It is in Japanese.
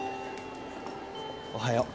おはよう。